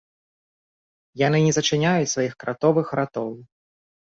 Яны не зачыняюць сваіх кратовых ратоў.